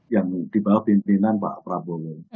yang di bawah pimpinan pak prabowo